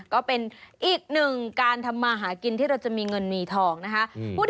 ก็เป็นอีกหนึ่งการทำมาหากินที่เราจะมีเงินมีทองนะคะ